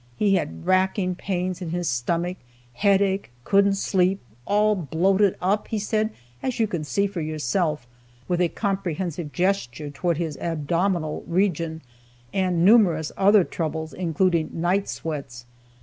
He had racking pains in the stomach, headache, couldn't sleep, "all bloated up," he said, "as you can see for yourself;" with a comprehensive gesture towards his abdominal region, and numerous other troubles, including "night sweats."